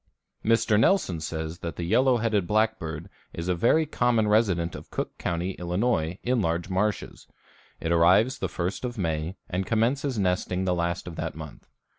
Mr. Nelson says that the yellow headed blackbird is a very common resident of Cook County, Ill., in large marshes. It arrives the first of May and commences nesting the last of that month.